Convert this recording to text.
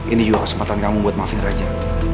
ini juga kesempatan kamu buat maafin raja